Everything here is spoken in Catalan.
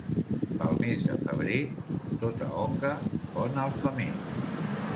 Pel mes de febrer tota oca pon al femer.